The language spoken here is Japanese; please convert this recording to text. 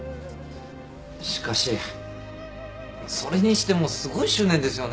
しかしそれにしてもすごい執念ですよね。